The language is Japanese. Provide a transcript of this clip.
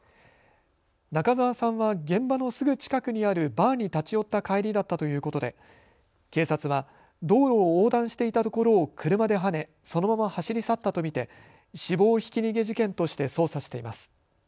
中澤さんは現場のすぐ近くにあるバーに立ち寄った帰りだったということで警察は道路を横断していたところを車ではねそのまま走り去ったと見て死亡ひき逃げ事件として捜査しています。